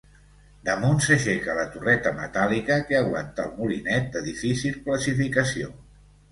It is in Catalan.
Damunt s'aixeca la torreta metàl·lica que aguanta el molinet, de difícil classificació.